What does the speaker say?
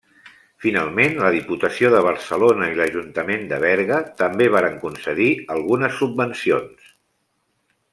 Finalment la Diputació de Barcelona i l'Ajuntament de Berga, també varen concedir algunes subvencions.